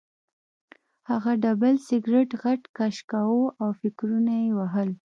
هغه ډبل سګرټ غټ کش کاوه او فکرونه یې وهل